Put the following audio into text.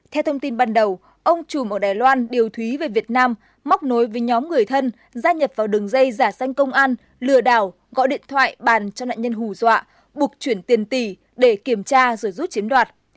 theo thông tin ban đầu ông trùm ở đài loan điều thúy về việt nam móc nối với nhóm người thân gia nhập vào đường dây giả xanh công an lừa đảo gọi điện thoại bàn cho nạn nhân hù dọa buộc chuyển tiền tỷ để kiểm tra rồi rút chiếm đoạt